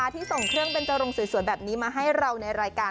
ที่ส่งเครื่องเบนจรงสวยแบบนี้มาให้เราในรายการ